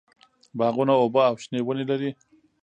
باغونه اوبه او شنه ونې لري.